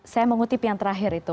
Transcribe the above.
saya mengutip yang terakhir itu